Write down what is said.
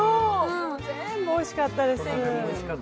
全部おいしかったです。